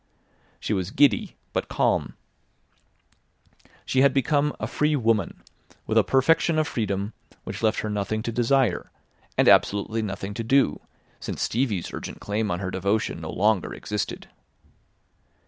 She was giddy but calm. She had become a free woman with a perfection of freedom which left her nothing to desire and absolutely nothing to do, since Stevie's urgent claim on her devotion no longer existed.